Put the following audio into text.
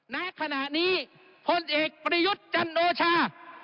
ณขณะนี้พลเอกประยุทธ์จันโอชา